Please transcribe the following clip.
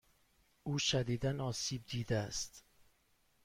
او شدیدا آسیب دیده است.